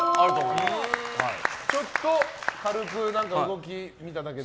ちょっと軽く動き見ただけで。